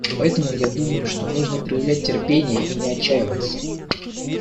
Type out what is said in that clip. Поэтому я думаю, что нужно проявлять терпение и не отчаиваться.